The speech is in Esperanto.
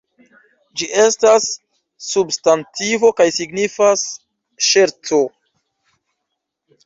Ĝi estas substantivo kaj signifas ŝerco.